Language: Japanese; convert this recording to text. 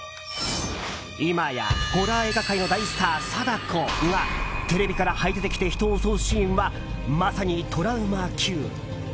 今やホラー映画界の大スター貞子がテレビからはい出てきて人を襲うシーンはまさにトラウマ級！